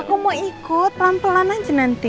aku mau ikut pelan pelan aja nanti